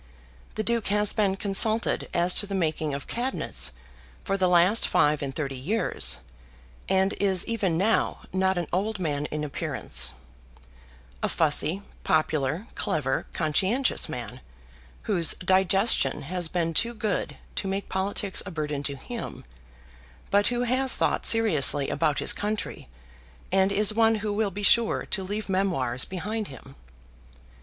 The Duke has been consulted as to the making of Cabinets for the last five and thirty years, and is even now not an old man in appearance; a fussy, popular, clever, conscientious man, whose digestion has been too good to make politics a burden to him, but who has thought seriously about his country, and is one who will be sure to leave memoirs behind him.